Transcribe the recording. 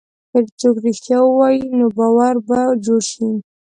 که څوک رښتیا ووایي، نو باور به جوړ شي.